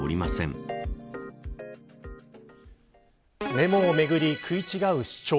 メモをめぐり食い違う主張。